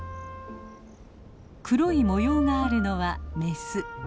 黒い模様があるのはメス。